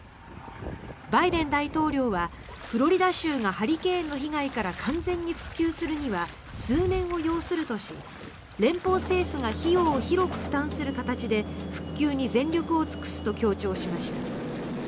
バイデン大統領は、フロリダ州がハリケーンの被害から完全に復旧するには数年を要するとし連邦政府が費用を広く負担する形で復旧に全力を尽くすと強調しました。